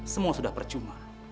semua sudah percuma